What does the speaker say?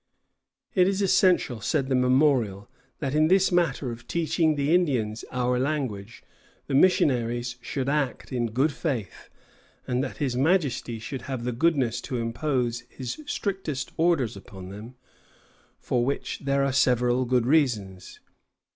"It is essential," says the memorial, "that in this matter of teaching the Indians our language the missionaries should act in good faith, and that his Majesty should have the goodness to impose his strictest orders upon them; for which there are several good reasons.